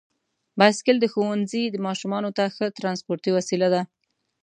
بایسکل د ښوونځي ماشومانو ته ښه ترانسپورتي وسیله ده.